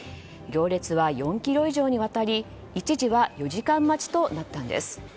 行列は４ｋｍ以上にわたり一時は４時間待ちとなったんです。